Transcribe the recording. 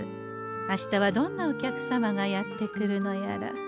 明日はどんなお客様がやって来るのやら。